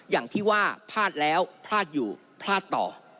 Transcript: อย่างที่ว่าพลาดแล้วพลาดอยู่พลาดต่อ